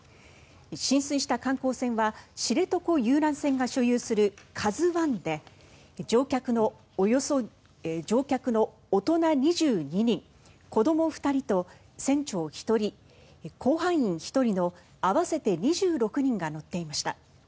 浸水した観光船は知床遊覧船が所有する「ＫＡＺＵ１」で乗客の大人２２人、子ども２人と船長１人、甲板員１人の合わせて２６人が乗っていました。